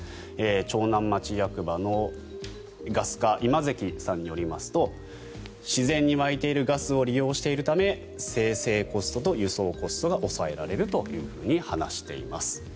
長南町役場のガス課今関さんによりますと自然に湧いているガスを利用しているため精製コストと輸送コストが抑えられると話しています。